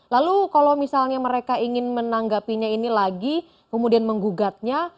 lalu kalau misalnya mereka ingin menanggapinya ini lagi kemudian menggugatnya